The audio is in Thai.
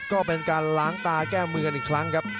ก็เป็นการล้างตาแก้มือกันอีกครั้งครับ